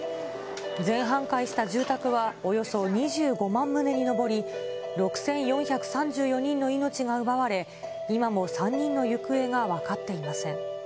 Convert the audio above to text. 全半壊した住宅はおよそ２５万棟に上り、６４３４人の命が奪われ、今も３人の行方が分かっていません。